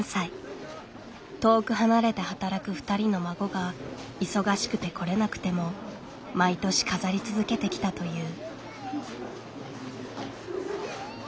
遠く離れて働く２人の孫が忙しくて来れなくても毎年飾り続けてきたという。